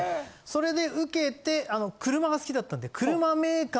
それで受けて車が好きだったんで。